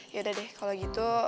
yaudah deh kalo gitu